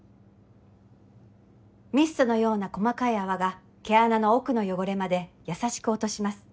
ミストのような細かい泡が毛穴の奥の汚れまで優しく落とします。